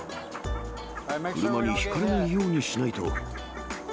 車にひかれないようにしないと。